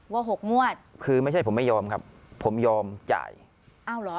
หกงวดคือไม่ใช่ผมไม่ยอมครับผมยอมจ่ายอ้าวเหรอ